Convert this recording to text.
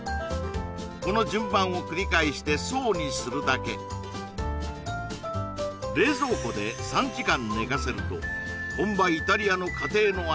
この順番を繰り返して層にするだけ冷蔵庫で３時間寝かせると本場イタリアの家庭の味